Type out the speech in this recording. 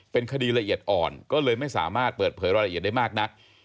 เป็นคดีละเอียดอ่อนก็เลยไม่สามารถเปิดเผยรายละเอียดได้มากนัก